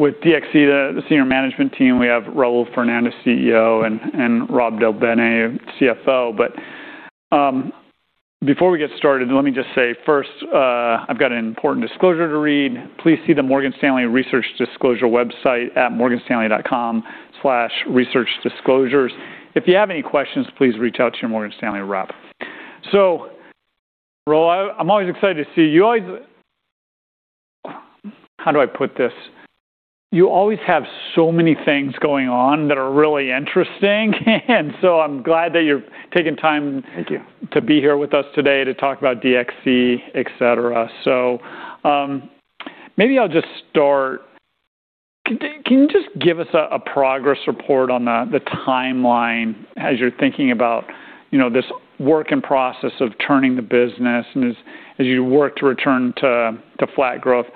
With DXC, the senior management team, we have Raul Fernandez, CEO, and Rob Del Bene, CFO. Before we get started, let me just say first, I've got an important disclosure to read. Please see the Morgan Stanley Research Disclosure website at morganstanley.com/researchdisclosures. If you have any questions, please reach out to your Morgan Stanley rep. Raul, I'm always excited to see you. You always... How do I put this? You always have so many things going on that are really interesting. I'm glad that you're taking time- Thank you.... to be here with us today to talk about DXC, et cetera. Maybe I'll just start. Can you just give us a progress report on the timeline as you're thinking about, you know, this work in process of turning the business as you work to return to flat growth?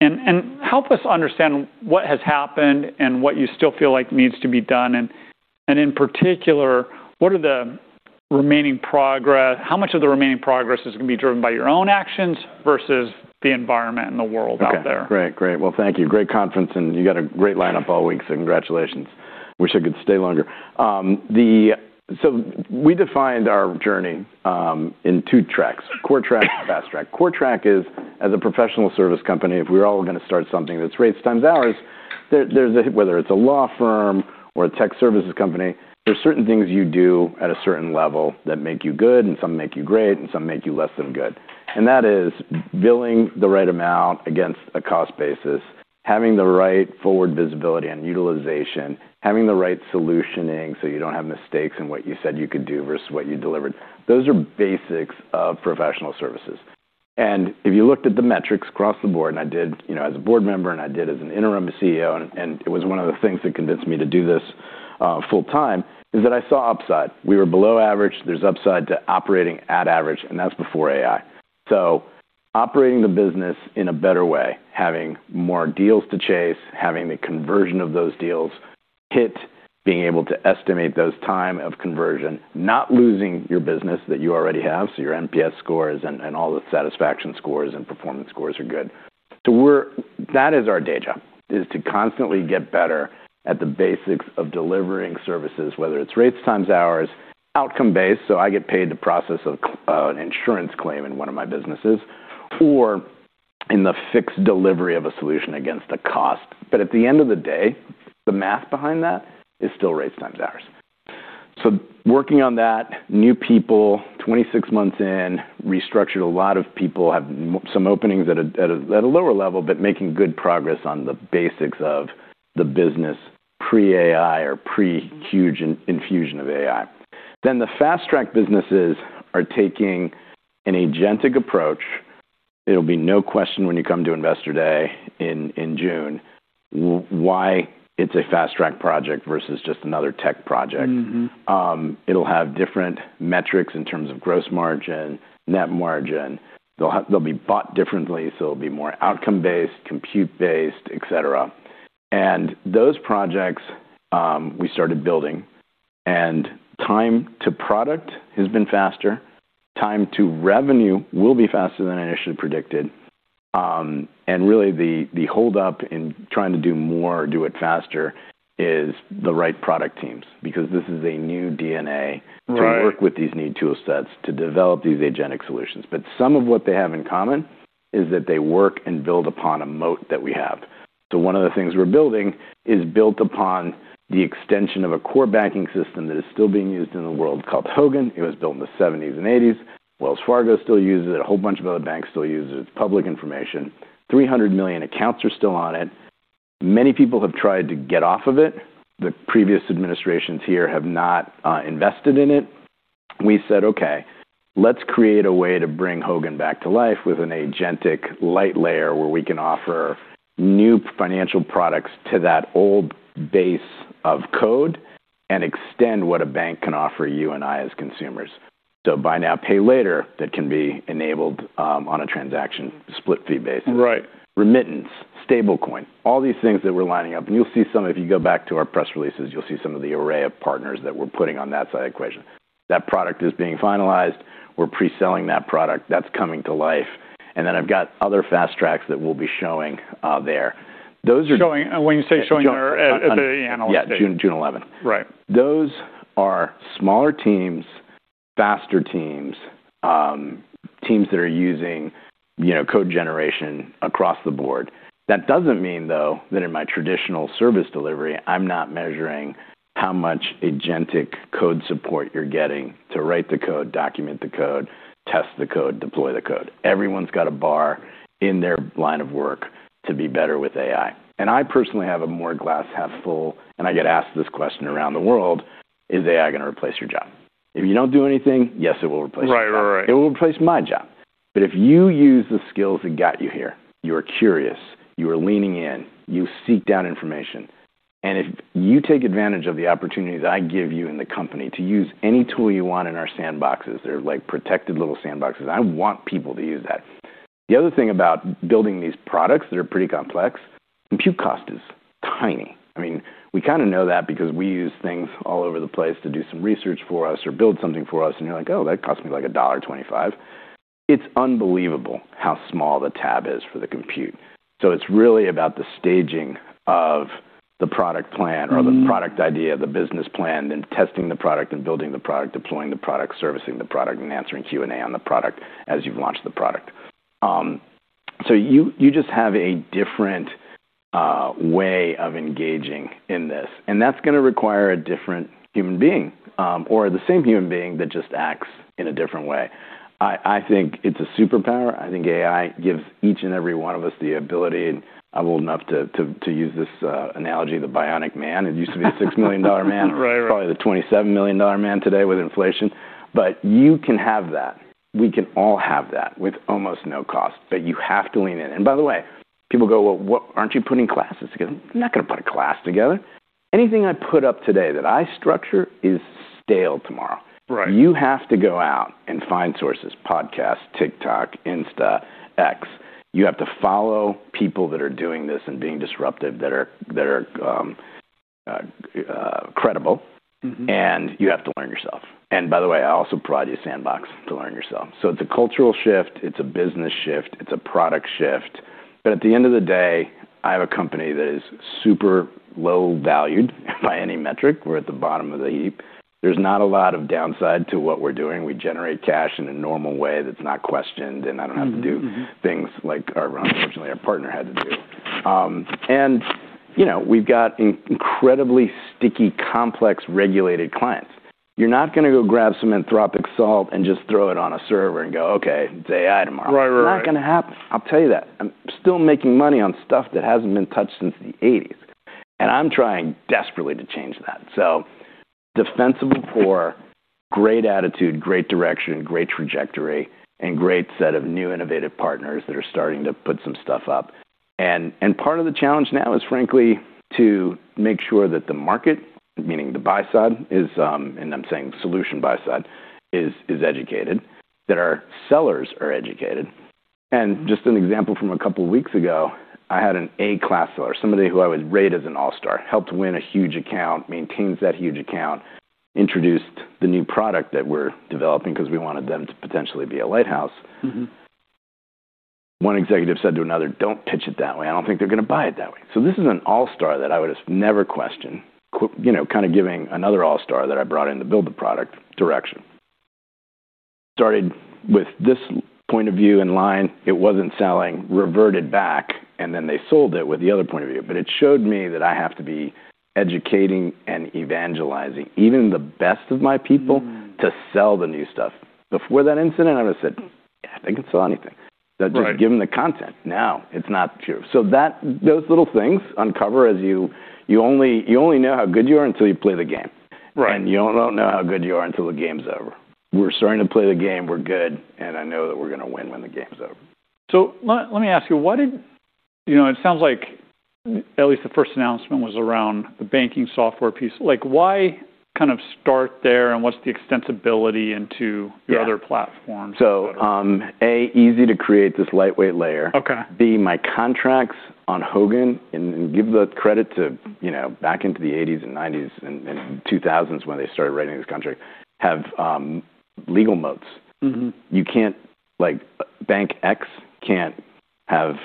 Help us understand what has happened and what you still feel like needs to be done. In particular, what are the remaining progress, how much of the remaining progress is gonna be driven by your own actions versus the environment and the world out there? Okay. Great. Great. Well, thank you. Great conference, you got a great lineup all week, so congratulations. Wish I could stay longer. So we defined our journey in two tracks: core track and fast track. Core track is as a professional service company, if we're all gonna start something that's rates times hours, there's a whether it's a law firm or a tech services company, there's certain things you do at a certain level that make you good, and some make you great, and some make you less than good. That is billing the right amount against a cost basis, having the right forward visibility and utilization, having the right solutioning so you don't have mistakes in what you said you could do versus what you delivered. Those are basics of professional services. If you looked at the metrics across the board, and I did, you know, as a board member and I did as an interim CEO, and it was one of the things that convinced me to do this full time, is that I saw upside. We were below average. There's upside to operating at average, and that's before AI. Operating the business in a better way, having more deals to chase, having the conversion of those deals hit, being able to estimate those time of conversion, not losing your business that you already have, so your NPS scores and all the satisfaction scores and performance scores are good. That is our day job, is to constantly get better at the basics of delivering services, whether it's rates times hours, outcome-based, so I get paid to process of an insurance claim in one of my businesses, or in the fixed delivery of a solution against a cost. At the end of the day, the math behind that is still rates times hours. Working on that, new people, 26 months in, restructured a lot of people, have some openings at a lower level, but making good progress on the basics of the business pre-AI or pre-huge infusion of AI. The fast track businesses are taking an agentic approach. It'll be no question when you come to Investor Day in June why it's a fast track project versus just another tech project. Mm-hmm. It'll have different metrics in terms of gross margin, net margin. They'll be bought differently, so it'll be more outcome-based, compute-based, et cetera. Those projects, we started building. Time to product has been faster. Time to revenue will be faster than I initially predicted. Really, the hold up in trying to do more, do it faster is the right product teams, because this is a new DNA... Right... to work with these new tool sets to develop these agentic solutions. Some of what they have in common is that they work and build upon a moat that we have. One of the things we're building is built upon the extension of a core banking system that is still being used in the world called Hogan. It was built in the 1970s and 1980s. Wells Fargo still uses it. A whole bunch of other banks still use it. It's public information. 300 million accounts are still on it. Many people have tried to get off of it. The previous administrations here have not invested in it. We said, "Okay, let's create a way to bring Hogan back to life with an agentic light layer where we can offer new financial products to that old base of code and extend what a bank can offer you and I as consumers." Buy now, pay later, that can be enabled on a transaction split fee basis. Right. Remittance, stablecoin, all these things that we're lining up, and you'll see some if you go back to our press releases. You'll see some of the array of partners that we're putting on that side of the equation. That product is being finalized. We're pre-selling that product. That's coming to life. I've got other fast tracks that we'll be showing there. Showing. When you say showing, or at the analyst date? Yeah, June 11. Right. Those are smaller teams, faster teams that are using, you know, code generation across the board. That doesn't mean, though, that in my traditional service delivery, I'm not measuring how much agentic code support you're getting to write the code, document the code, test the code, deploy the code. Everyone's got a bar in their line of work to be better with AI. I personally have a more glass half full, and I get asked this question around the world: Is AI gonna replace your job? If you don't do anything, yes, it will replace your job. Right. Right. Right. It will replace my job. If you use the skills that got you here, you are curious, you are leaning in, you seek down information, and if you take advantage of the opportunities I give you in the company to use any tool you want in our sandboxes, they're like protected little sandboxes, I want people to use that. The other thing about building these products that are pretty complex, compute cost is tiny. I mean, we kinda know that because we use things all over the place to do some research for us or build something for us, and you're like, "Oh, that cost me, like, $1.25." It's unbelievable how small the tab is for the compute. It's really about the staging of the product plan. Mm-hmm... or the product idea, the business plan, then testing the product, then building the product, deploying the product, servicing the product, and answering Q&A on the product as you've launched the product. You just have a different way of engaging in this, and that's gonna require a different human being, or the same human being that just acts in a different way. I think it's a superpower. I think AI gives each and every one of us the ability, and I'm old enough to use this analogy, the bionic man. It used to be a $6 million man. Right, right. Probably the $27 million man today with inflation. You can have that. We can all have that with almost no cost, but you have to lean in. By the way, people go, "Well, aren't you putting classes together?" I'm not gonna put a class together. Anything I put up today that I structure is stale tomorrow. Right. You have to go out and find sources: podcasts, TikTok, Insta, X. You have to follow people that are doing this and being disruptive that are credible. Mm-hmm. You have to learn yourself. By the way, I also provide you a sandbox to learn yourself. It's a cultural shift, it's a business shift, it's a product shift. At the end of the day, I have a company that is super low valued by any metric. We're at the bottom of the heap. There's not a lot of downside to what we're doing. We generate cash in a normal way that's not questioned. Mm-hmm, mm-hmm... things like our unfortunately our partner had to do. You know, we've got incredibly sticky, complex, regulated clients. You're not gonna go grab some Anthropic salt and just throw it on a server and go, "Okay, it's AI tomorrow. Right, right. Not gonna happen. I'll tell you that. I'm still making money on stuff that hasn't been touched since the '80s, and I'm trying desperately to change that. Defensible core, great attitude, great direction, great trajectory, and great set of new innovative partners that are starting to put some stuff up. Part of the challenge now is frankly to make sure that the market, meaning the buy side, is, and I'm saying solution buy side, is educated, that our sellers are educated. Just an example from two weeks ago, I had an A-class seller, somebody who I would rate as an all-star, helped win a huge account, maintains that huge account, introduced the new product that we're developing 'cause we wanted them to potentially be a lighthouse. Mm-hmm. One executive said to another, "Don't pitch it that way. I don't think they're gonna buy it that way." This is an all-star that I would have never questioned you know, kind of giving another all-star that I brought in to build the product direction. Started with this point of view in line, it wasn't selling, reverted back, and then they sold it with the other point of view. It showed me that I have to be educating and evangelizing even the best of my people. Mm... to sell the new stuff. Before that incident, I would've said, "Yeah, they can sell anything. Right. Just give them the content." Now it's not true. Those little things uncover as you only know how good you are until you play the game. Right. You only know how good you are until the game's over. We're starting to play the game, we're good, and I know that we're gonna win when the game's over. Let me ask you: You know, it sounds like at least the first announcement was around the banking software piece. Like, why kind of start there, and what's the extensibility into? Yeah your other platforms, et cetera? A, easy to create this lightweight layer. Okay. B, my contracts on Hogan, and give the credit to, you know, back into the '80s and '90s and 2000s when they started writing this contract, have legal moats. Mm-hmm. You like, Bank X can't have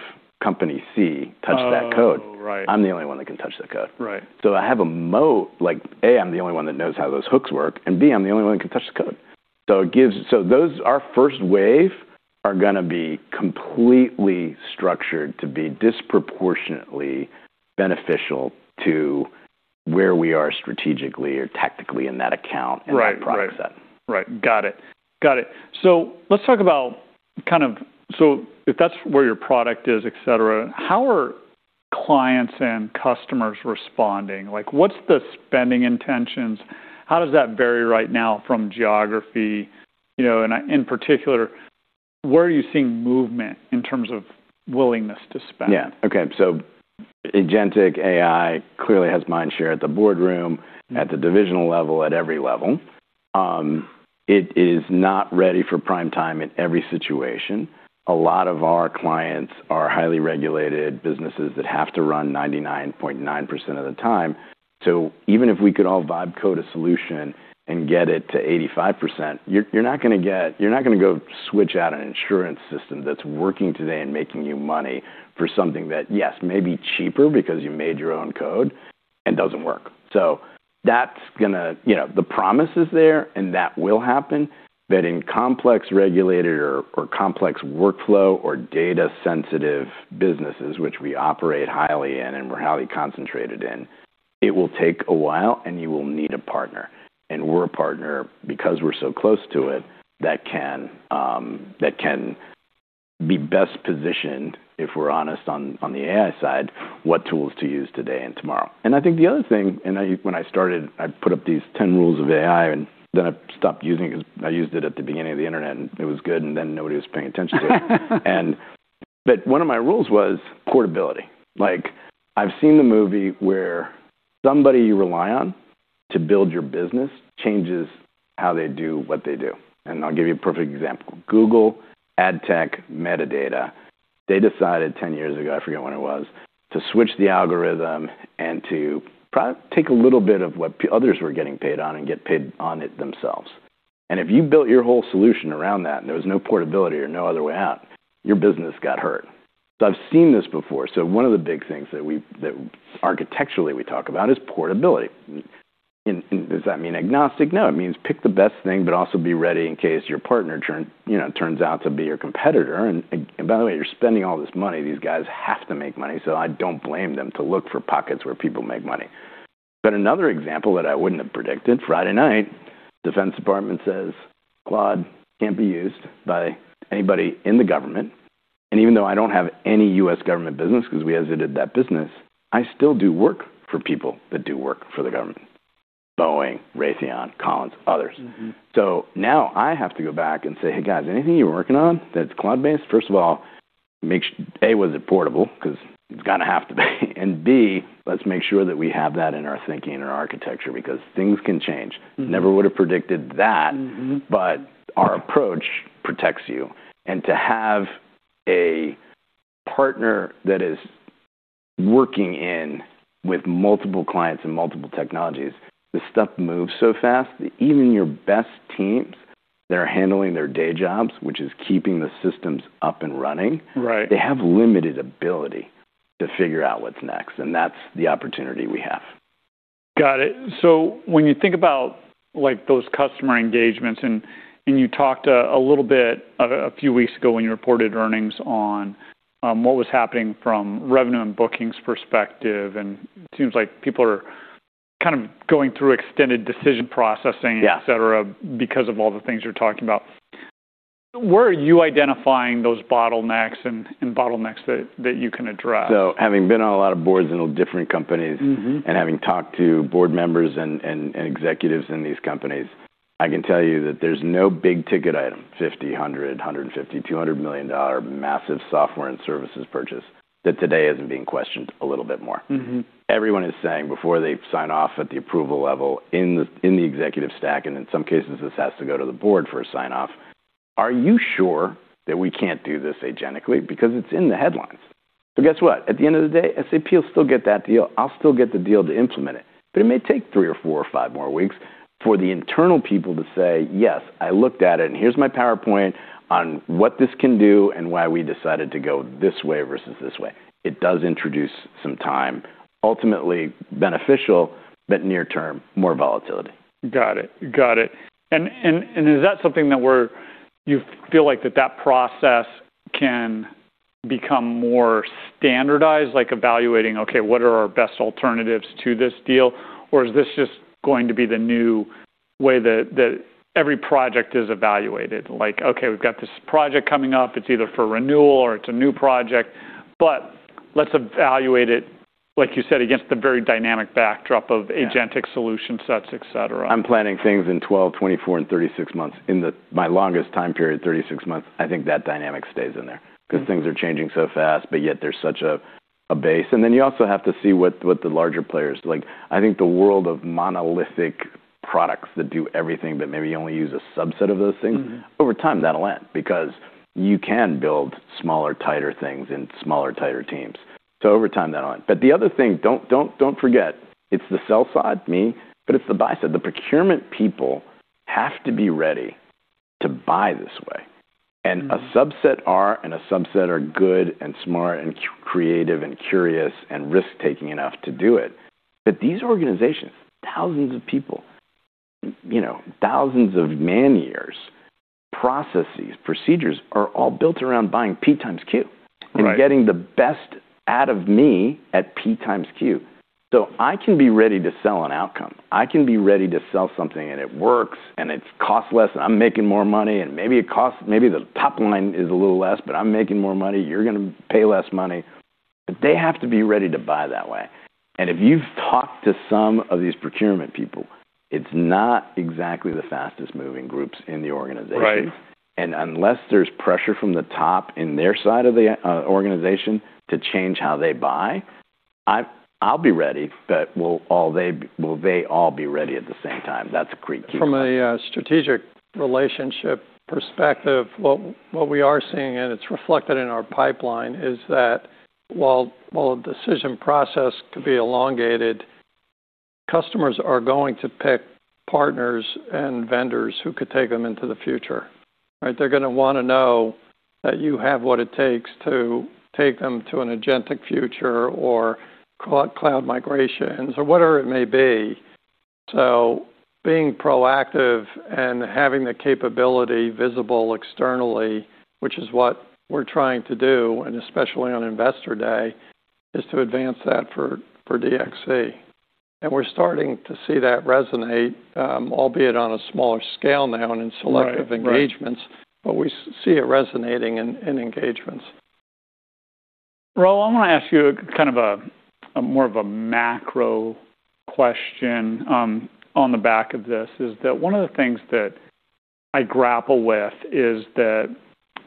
Company C touch that code. Oh, right. I'm the only one that can touch that code. Right. I have a moat, like, A, I'm the only one that knows how those hooks work, and B, I'm the only one that can touch the code. Those are-- first wave are gonna be completely structured to be disproportionately beneficial to where we are strategically or tactically in that account- Right, right. in that product set. Right. Got it. Got it. Let's talk about. If that's where your product is, et cetera, how are clients and customers responding? Like, what's the spending intentions? How does that vary right now from geography? You know, in particular, where are you seeing movement in terms of willingness to spend? Yeah. Okay. Agentic AI clearly has mind share at the boardroom, at the divisional level, at every level. It is not ready for prime time in every situation. A lot of our clients are highly regulated businesses that have to run 99.9% of the time, even if we could all vibe code a solution and get it to 85%, you're not gonna go switch out an insurance system that's working today and making you money for something that, yes, may be cheaper because you made your own code and doesn't work. You know, the promise is there, and that will happen. In complex regulated or complex workflow or data-sensitive businesses, which we operate highly in and we're highly concentrated in, it will take a while, and you will need a partner. We're a partner because we're so close to it that can, that can be best positioned, if we're honest on the AI side, what tools to use today and tomorrow. I think the other thing, when I started, I put up these 10 rules of AI and then I stopped using it 'cause I used it at the beginning of the internet and it was good, and then nobody was paying attention to it. But one of my rules was portability. Like, I've seen the movie where somebody you rely on to build your business changes how they do what they do. I'll give you a perfect example. Google Adtech metadata, they decided 10 years ago, I forget when it was, to switch the algorithm and to take a little bit of what others were getting paid on and get paid on it themselves. If you built your whole solution around that and there was no portability or no other way out, your business got hurt. I've seen this before. One of the big things that architecturally we talk about is portability. Does that mean agnostic? No. It means pick the best thing, but also be ready in case your partner turns out to be your competitor. By the way, you're spending all this money. These guys have to make money, I don't blame them to look for pockets where people make money. Another example that I wouldn't have predicted, Friday night, Department of Defense says Claude can't be used by anybody in the government. Even though I don't have any U.S. government business because we exited that business, I still do work for people that do work for the government, Boeing, Raytheon, Collins, others. Mm-hmm. Now I have to go back and say, "Hey, guys, anything you're working on that's cloud-based, first of all, A, was it portable? 'Cause it's gonna have to be. B, let's make sure that we have that in our thinking, in our architecture, because things can change. Mm-hmm. Never would have predicted that. Mm-hmm. Our approach protects you. To have a partner that is working in with multiple clients and multiple technologies, the stuff moves so fast, even your best teams that are handling their day jobs, which is keeping the systems up and running. Right they have limited ability to figure out what's next, and that's the opportunity we have. Got it. When you think about, like, those customer engagements, and you talked a little bit a few weeks ago when you reported earnings on what was happening from revenue and bookings perspective, and it seems like people are kind of going through extended decision processing. Yeah et cetera, because of all the things you're talking about. Where are you identifying those bottlenecks and bottlenecks that you can address? Having been on a lot of boards in different companies. Mm-hmm... and having talked to board members and executives in these companies, I can tell you that there's no big-ticket item, $50 million, $100 million, $150 million, $200 million massive software and services purchase that today isn't being questioned a little bit more. Mm-hmm. Everyone is saying before they sign off at the approval level in the, in the executive stack, In some cases, this has to go to the board for a sign-off, "Are you sure that we can't do this agentically?" Because it's in the headlines. Guess what? At the end of the day, SAP will still get that deal. I'll still get the deal to implement it. It may take three or four or five more weeks for the internal people to say, "Yes, I looked at it, and here's my PowerPoint on what this can do and why we decided to go this way versus this way." It does introduce some time, ultimately beneficial, but near term, more volatility. Got it. Got it. Is that something you feel like that that process can become more standardized, like evaluating, okay, what are our best alternatives to this deal? Or is this just going to be the new way that every project is evaluated? Like, okay, we've got this project coming up. It's either for renewal or it's a new project, but let's evaluate it, like you said, against the very dynamic backdrop of agentic solution sets, et cetera. I'm planning things in 12, 24, and 36 months. In my longest time period, 36 months, I think that dynamic stays in there 'cause things are changing so fast, but yet there's such a base. You also have to see what the larger players... I think the world of monolithic products that do everything, but maybe you only use a subset of those things. Mm-hmm... over time, that'll end because you can build smaller, tighter things in smaller, tighter teams. Over time, that'll end. The other thing, don't forget, it's the sell side, me, but it's the buy side. The procurement people have to be ready to buy this way. Mm-hmm. A subset are good and smart and creative and curious and risk-taking enough to do it. These organizations, thousands of people, you know, thousands of man-years, processes, procedures are all built around buying P times Q. Right... getting the best out of me at P times Q. I can be ready to sell an outcome. I can be ready to sell something, and it works, and it costs less, and I'm making more money, and maybe the top line is a little less, but I'm making more money. You're gonna pay less money. They have to be ready to buy that way. If you've talked to some of these procurement people, it's not exactly the fastest-moving groups in the organization. Right. Unless there's pressure from the top in their side of the organization to change how they buy, I'll be ready, but will they all be ready at the same time? That's a key question. From a strategic relationship perspective, what we are seeing, and it's reflected in our pipeline, is that while a decision process could be elongated, customers are going to pick partners and vendors who could take them into the future, right? They're gonna wanna know that you have what it takes to take them to an agentic future or cloud migration, so whatever it may be. So being proactive and having the capability visible externally, which is what we're trying to do, and especially on Investor Day, is to advance that for DXC. We're starting to see that resonate, albeit on a smaller scale now and in. Right. Right. engagements, but we see it resonating in engagements. Raul, I wanna ask you kind of a more of a macro question on the back of this, is that one of the things that I grapple with is that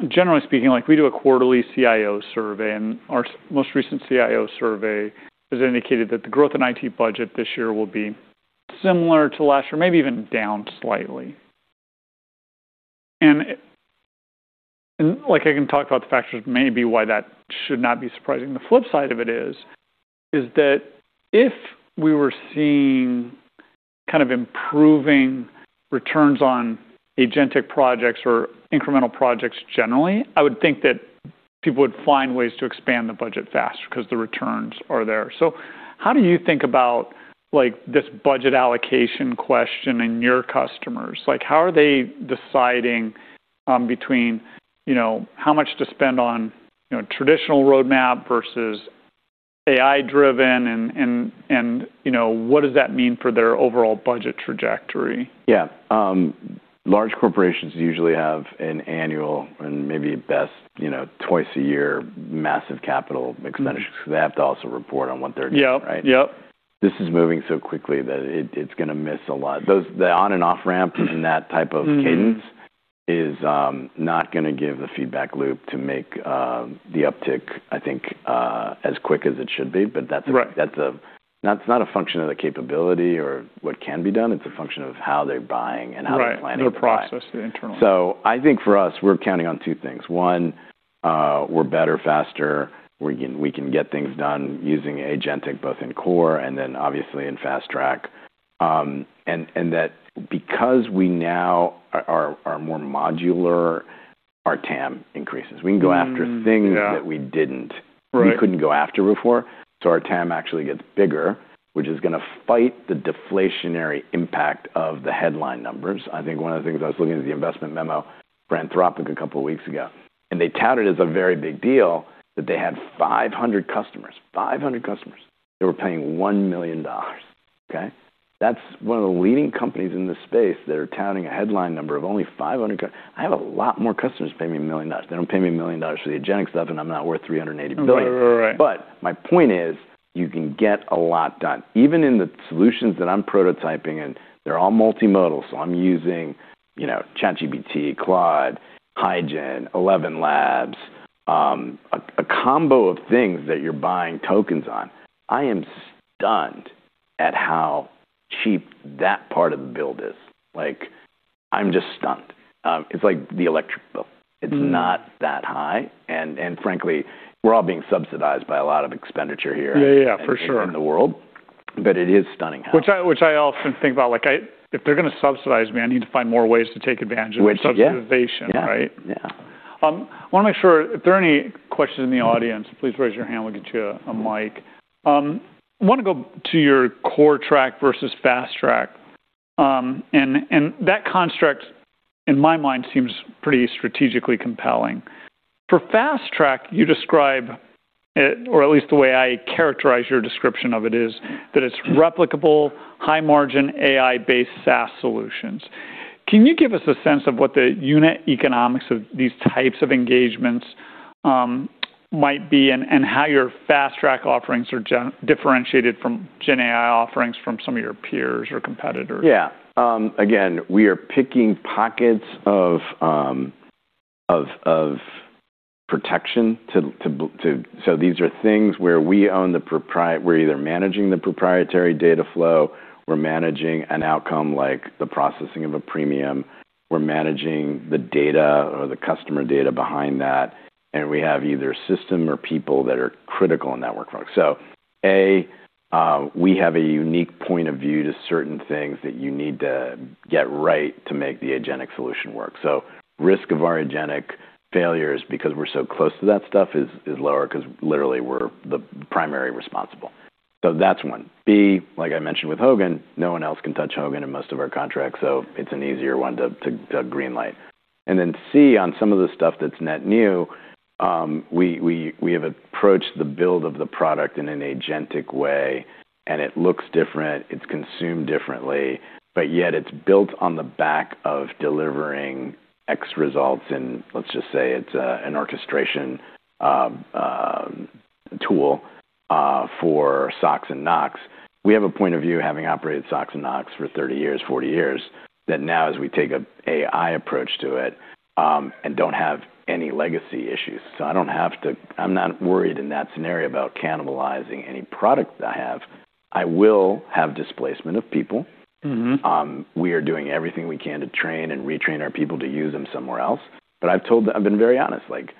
generally speaking, like we do a quarterly CIO survey, and our most recent CIO survey has indicated that the growth in IT budget this year will be similar to last year, maybe even down slightly. Like I can talk about the factors maybe why that should not be surprising. The flip side of it is that if we were seeing kind of improving returns on agentic projects or incremental projects generally, I would think that people would find ways to expand the budget faster because the returns are there. How do you think about, like, this budget allocation question in your customers? Like, how are they deciding, between, you know, how much to spend on, you know, traditional roadmap versus AI-driven and, you know, what does that mean for their overall budget trajectory? Yeah. Large corporations usually have an annual and maybe best, you know, twice a year massive capital expenditures because they have to also report on what they're doing, right? Yep. Yep. This is moving so quickly that it's gonna miss a lot. The on and off ramp in that type of cadence is not gonna give the feedback loop to make the uptick, I think, as quick as it should be. That's. Right. That's not a function of the capability or what can be done. It's a function of how they're buying and how they're planning to buy. Right. Their process internally. I think for us, we're counting on two things. One, we're better, faster. We can get things done using agentic, both in core and then obviously in fast track. That because we now are more modular, our TAM increases. Mm-hmm. Yeah. We can go after things that we didn't. Right. We couldn't go after before. Our TAM actually gets bigger, which is going to fight the deflationary impact of the headline numbers. I think one of the things I was looking at the investment memo for Anthropic a couple of weeks ago, and they touted as a very big deal that they had 500 customers. 500 customers. They were paying $1 million. Okay? That's one of the leading companies in this space that are touting a headline number of only 500 customers. I have a lot more customers pay me $1 million. They don't pay me $1 million for the agentic stuff, and I'm not worth $380 billion. Right. Right. Right. My point is, you can get a lot done. Even in the solutions that I'm prototyping, and they're all multimodal, so I'm using, you know, ChatGPT, Claude, HeyGen, ElevenLabs, a combo of things that you're buying tokens on. I am stunned at how cheap that part of the build is. Like, I'm just stunned. It's like the electric bill. Mm-hmm. It's not that high. Frankly, we're all being subsidized by a lot of expenditure here. Yeah. Yeah. For sure.... in the world. It is stunning. Which I often think about, like, if they're gonna subsidize me, I need to find more ways to take advantage of the subsidization, right? Which. Yeah. Yeah. I wanna make sure if there are any questions in the audience, please raise your hand. We'll get you a mic. I wanna go to your core track versus fast track. That construct in my mind seems pretty strategically compelling. For fast track, you describe it, or at least the way I characterize your description of it is that it's replicable, high margin, AI-based SaaS solutions. Can you give us a sense of what the unit economics of these types of engagements might be and how your fast track offerings are differentiated from GenAI offerings from some of your peers or competitors? Again, we are picking pockets of protection to. These are things where we own the proprietary data flow, we're either managing an outcome like the processing of a premium, we're managing the data or the customer data behind that, and we have either system or people that are critical in that workflow. A, we have a unique point of view to certain things that you need to get right to make the agentic solution work. Risk of our agentic failures, because we're so close to that stuff is lower because literally we're the primary responsible. That's one. B, like I mentioned with Hogan, no one else can touch Hogan in most of our contracts, it's an easier one to green-light. C, on some of the stuff that's net new, we have approached the build of the product in an agentic way. It looks different, it's consumed differently, yet it's built on the back of delivering X results in, let's just say it's an orchestration tool for SOC and NOC. We have a point of view having operated SOC and NOC for 30 years, 40 years, that now as we take a AI approach to it, don't have any legacy issues. I'm not worried in that scenario about cannibalizing any product that I have. I will have displacement of people. Mm-hmm. We are doing everything we can to train and retrain our people to use them somewhere else. I've told them, I've been very honest, like,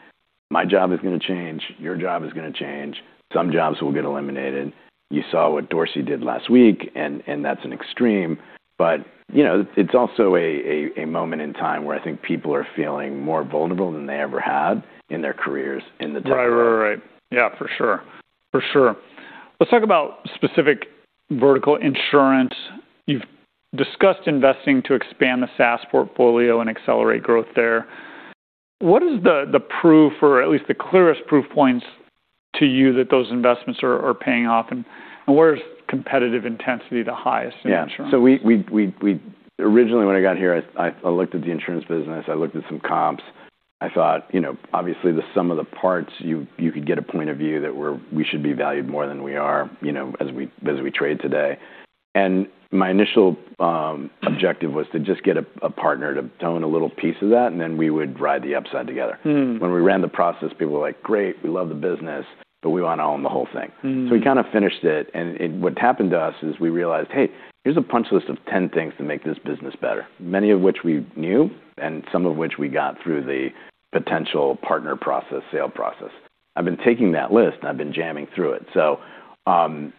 "My job is gonna change. Your job is gonna change. Some jobs will get eliminated." You saw what Dorsey did last week, and that's an extreme. You know, it's also a moment in time where I think people are feeling more vulnerable than they ever have in their careers in the tech world. Right. Right. Right. Yeah, for sure. For sure. Let's talk about specific vertical insurance. You've discussed investing to expand the SaaS portfolio and accelerate growth there. What is the proof or at least the clearest proof points to you that those investments are paying off and where is competitive intensity the highest in insurance? Originally, when I got here, I looked at the insurance business, I looked at some comps. I thought, you know, obviously the sum of the parts, you could get a point of view that we should be valued more than we are, you know, as we trade today. My initial objective was to just get a partner to own a little piece of that, and then we would ride the upside together. Mm. When we ran the process, people were like, "Great, we love the business, but we wanna own the whole thing. Mm. So we kinda finished it, what happened to us is we realized, hey, here's a punch list of 10 things to make this business better, many of which we knew and some of which we got through the potential partner process, sale process. I've been taking that list, and I've been jamming through it.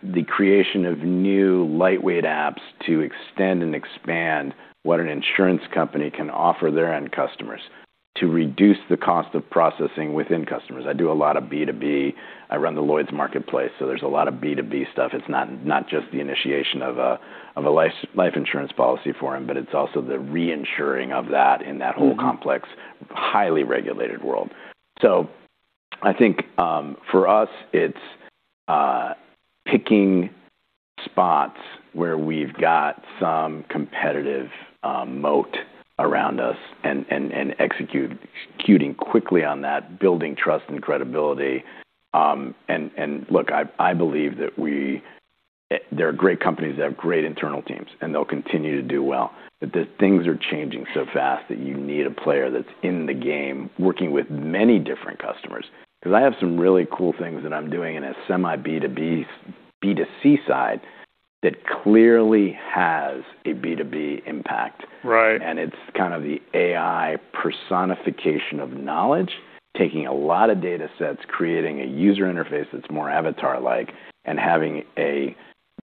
The creation of new lightweight apps to extend and expand what an insurance company can offer their end customers to reduce the cost of processing within customers. I do a lot of B2B. I run the Lloyd's marketplace, so there's a lot of B2B stuff. It's not just the initiation of a, of a life insurance policy for 'em, but it's also the reinsuring of that in that whole- Mm-hmm... complex, highly regulated world. I think, for us, it's picking spots where we've got some competitive moat around us and executing quickly on that, building trust and credibility. Look, I believe that we... There are great companies that have great internal teams, and they'll continue to do well, but the things are changing so fast that you need a player that's in the game working with many different customers 'cause I have some really cool things that I'm doing in a semi B2B, B2C side that clearly has a B2B impact. Right. It's kind of the AI personification of knowledge, taking a lot of datasets, creating a user interface that's more avatar-like, and having a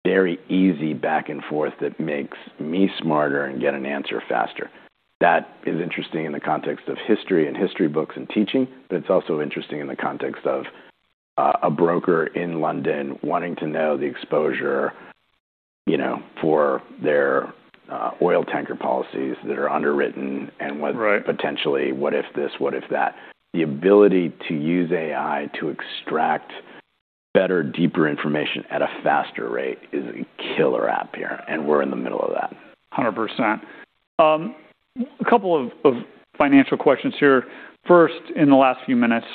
very easy back and forth that makes me smarter and get an answer faster. That is interesting in the context of history and history books and teaching, but it's also interesting in the context of a broker in London wanting to know the exposure, you know, for their oil tanker policies that are underwritten. Right... potentially what if this, what if that. The ability to use AI to extract better, deeper information at a faster rate is a killer app here, and we're in the middle of that. 100%. A couple of financial questions here. First, in the last few minutes,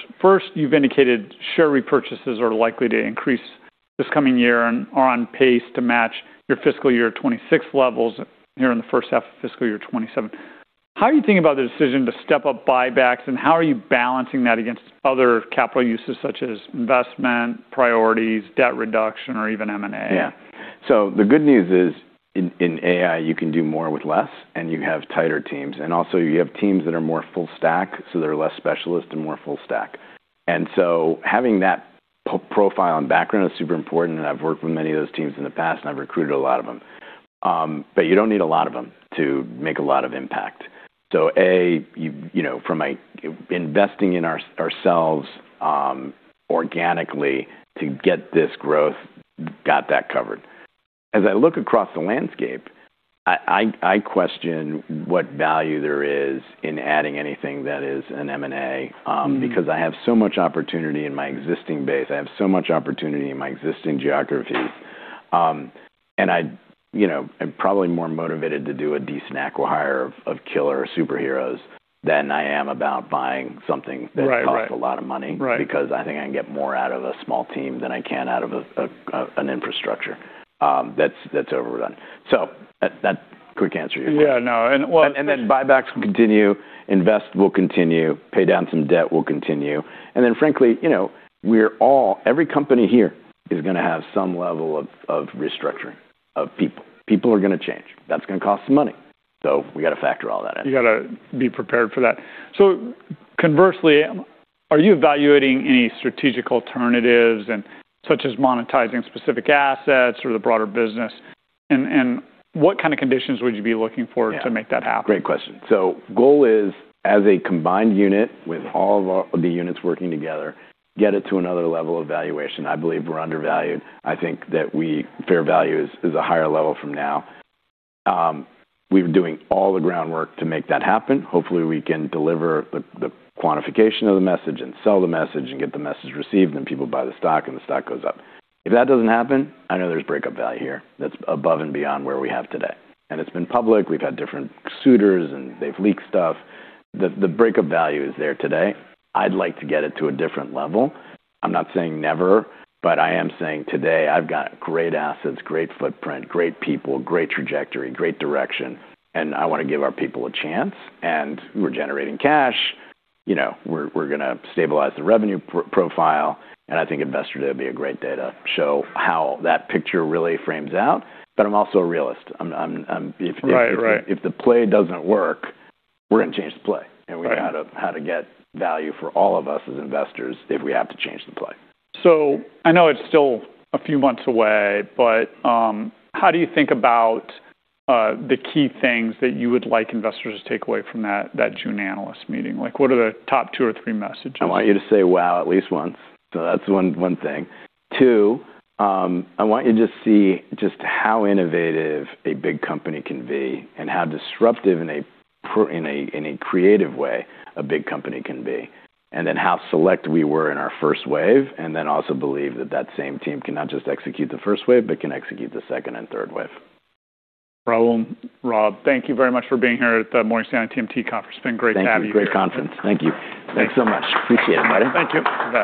you've indicated share repurchases are likely to increase this coming year and are on pace to match your fiscal year 2026 levels here in the first half of fiscal year 2027. How are you thinking about the decision to step up buybacks, and how are you balancing that against other capital uses such as investment, priorities, debt reduction, or even M&A? The good news is in AI, you can do more with less, and you have tighter teams. Also, you have teams that are more full stack, so they're less specialist and more full stack. Having that profile and background is super important, and I've worked with many of those teams in the past, and I've recruited a lot of them. You don't need a lot of them to make a lot of impact. A, you know, from investing in ourselves organically to get this growth, got that covered. As I look across the landscape, I question what value there is in adding anything that is an M&A. Mm... because I have so much opportunity in my existing base. I have so much opportunity in my existing geographies. You know, I'm probably more motivated to do a decent acqui-hire of killer superheroes than I am about buying something. Right, right.... a lot of money- Right... because I think I can get more out of a small team than I can out of an infrastructure, that's overrun. That quick answer your question. Yeah, no. Then buybacks will continue, invest will continue, pay down some debt will continue. Then frankly, you know, every company here is gonna have some level of restructuring of people. People are gonna change. That's gonna cost money. We gotta factor all that in. You gotta be prepared for that. Conversely, are you evaluating any strategic alternatives and such as monetizing specific assets or the broader business? What kind of conditions would you be looking for? Yeah to make that happen? Great question. Goal is as a combined unit with all of the units working together, get it to another level of valuation. I believe we're undervalued. I think that we fair value is a higher level from now. We've been doing all the groundwork to make that happen. Hopefully, we can deliver the quantification of the message and sell the message and get the message received, and people buy the stock, and the stock goes up. If that doesn't happen, I know there's breakup value here that's above and beyond where we have today. It's been public. We've had different suitors, and they've leaked stuff. The breakup value is there today. I'd like to get it to a different level. I'm not saying never, but I am saying today I've got great assets, great footprint, great people, great trajectory, great direction, and I wanna give our people a chance. We're generating cash. You know, we're gonna stabilize the revenue profile, and I think Investor Day would be a great day to show how that picture really frames out. I'm also a realist. I'm. Right. Right. if the play doesn't work, we're gonna change the play. Right. We gotta how to get value for all of us as investors if we have to change the play. I know it's still a few months away, but, how do you think about the key things that you would like investors to take away from that June analyst meeting? Like, what are the top two or three messages? I want you to say wow at least once. That's one thing. Two, I want you to see just how innovative a big company can be and how disruptive in a creative way a big company can be, and then how select we were in our first wave, and then also believe that that same team cannot just execute the first wave, but can execute the second and third wave. Raul, thank you very much for being here at the Morgan Stanley TMT Conference. Been great to have you here. Thank you. Great conference. Thank you. Thanks. Thanks so much. Appreciate it, buddy. Thank you. Thanks.